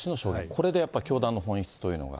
これでやっぱり教団の本質というのが。